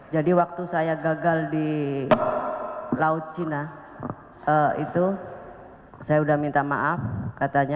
jadi waktu saya gagal di laut cina itu saya sudah minta maaf katanya